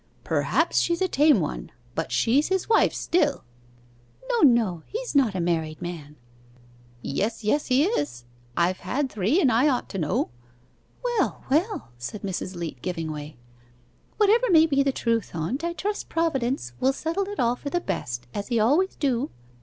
'Perhaps she's a tame one but she's his wife still.' 'No, no: he's not a married man.' 'Yes, yes, he is. I've had three, and I ought to know.' 'Well, well,' said Mrs. Leat, giving way. 'Whatever may be the truth on't I trust Providence will settle it all for the best, as He always do.